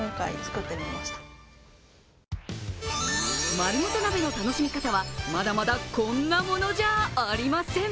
まるごと鍋の楽しみ方は、まだまだこんなものじゃありません。